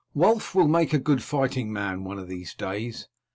"Wulf will make a good fighting man one of these days.